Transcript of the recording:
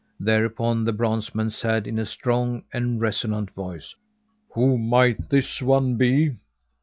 Thereupon the bronze man said in a strong and resonant voice: "Who might this one be?"